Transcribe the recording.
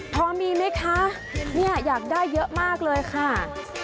พอมีไหมคะเนี่ยอยากได้เยอะมากเลยค่ะ